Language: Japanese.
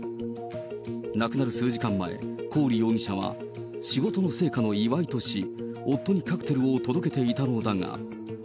亡くなる数時間前、コーリ容疑者は、仕事の成果の祝いとし、夫にカクテルを届けていたのだが。